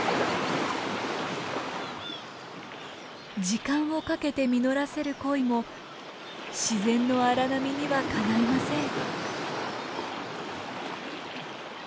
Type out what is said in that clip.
時間をかけて実らせる恋も自然の荒波にはかないません。